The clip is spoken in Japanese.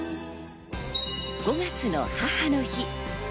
５月の母の日。